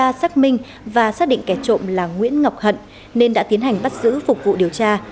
điều tra xác minh và xác định kẻ trộm là nguyễn ngọc hận nên đã tiến hành bắt giữ phục vụ điều tra